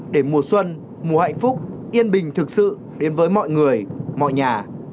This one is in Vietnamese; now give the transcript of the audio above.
để mùa xuân mùa hạnh phúc yên bình thực sự đến với mọi người mọi nhà